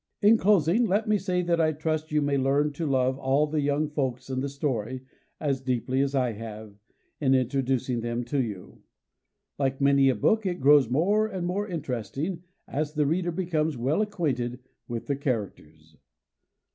In closing let me say that I trust you may learn to love all the young folks in the story, as deeply as I have, in introducing them to you. Like many a book, it grows more and more interesting as the reader becomes well acquainted with the characters.